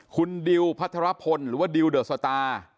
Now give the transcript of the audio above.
คุณดิวพัทรพลหรือว่าดิวเดอร์สตาร์